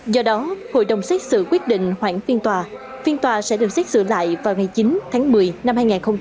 do đó hội đồng xét xử quyết định hoãn phiên tòa phiên tòa sẽ được xét xử lại vào ngày chín tháng một mươi năm hai nghìn hai mươi